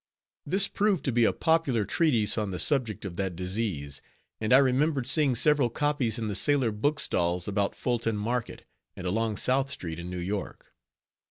This proved to be a popular treatise on the subject of that disease; and I remembered seeing several copies in the sailor book stalls about Fulton Market, and along South street, in New York.